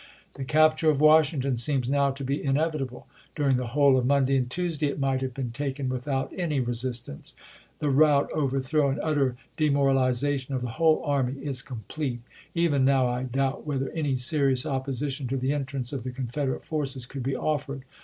The capture of Washing ton seems now to be inevitable ; during the whole of Monday and Tuesday it might have been taken without any resistance. The rout, overthrow, and utter demor alization of the whole army is complete. Even now I doubt whether any serious opposition to the entrance of the Confederate forces could be offered.